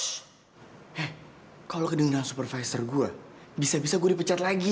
eh kalau kedengeran supervisor gue bisa bisa gue dipecat lagi